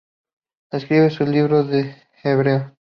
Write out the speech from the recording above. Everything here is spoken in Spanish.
Escribe sus libros en hebreo.